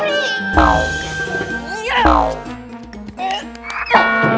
iya aku menang